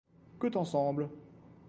Que t'en semble?